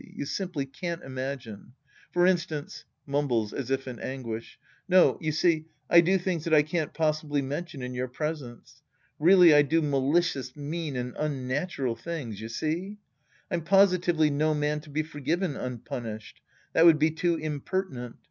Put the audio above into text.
You simply can't imagine. For instance — {Mumbles as if in anginsh.) No, you see, I do things that I can't possibly mention in your presence. Really I do malicious, mean and unnatural tilings, you see. I'm positively no man to be forgiven unpunished. That would be too impertinent.